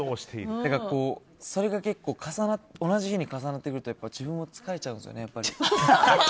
それが結構同じ日に重なってくると自分も疲れちゃうんですよね。